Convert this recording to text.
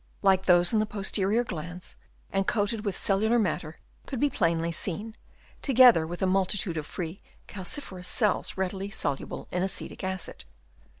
like those in the posterior glands and coated with cellular matter could be plainly seen, together with a multitude of free calciferous cells readily soluble in acetic acid.